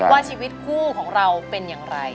ว่าชีวิตคู่ของเราเป็นอย่างไร